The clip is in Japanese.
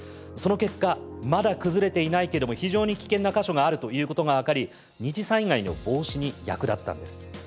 その結果まだ崩れていないけども非常に危険な箇所があるということが分かり二次災害の防止に役立ったんです。